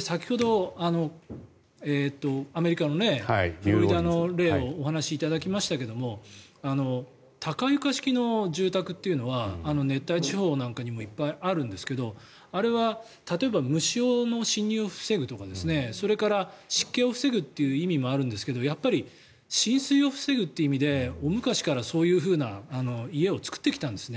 先ほどアメリカのフロリダの例をお話しいただきましたけど高床式の住宅っていうのは熱帯地方なんかにもいっぱいあるんですがあれは例えば虫の侵入を防ぐとかあとは湿気を防ぐという意味もあるんですけどやっぱり浸水を防ぐという意味で大昔からそういう家を作ってきたんです。